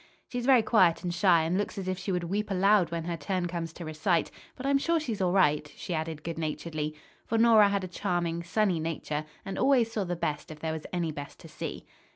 "She's very quiet and shy and looks as if she would weep aloud when her turn comes to recite, but I'm sure she's all right," she added good naturedly. For Nora had a charming, sunny nature, and always saw the best if there was any best to see.